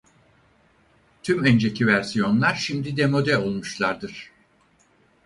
Tüm önceki versiyonlar şimdi demode olmuşlardır.